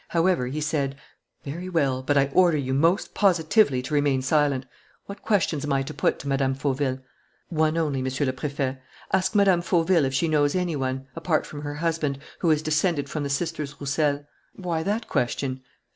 However, he said: "Very well; but I order you most positively to remain silent. What questions am I to put to Mme. Fauville?" "One only, Monsieur le Préfet: ask Mme. Fauville if she knows any one, apart from her husband, who is descended from the sisters Roussel." "Why that question?"